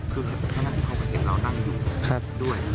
คือเข้ามาเห็นเรานั่งอยู่ด้วย